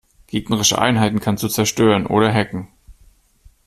Gegnerische Einheiten kannst du zerstören oder hacken.